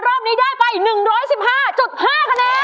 รอบนี้ได้ไป๑๑๕๕คะแนน